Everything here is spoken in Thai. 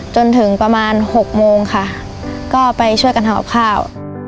จนถึงประมาณ๖โมงค่ะก็ไปช่วยกันทำกับข้าว